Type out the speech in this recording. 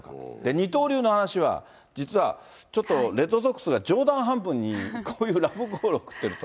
二刀流の話は、実は、ちょっとレッドソックスが冗談半分にこういうラブコールを送ってると。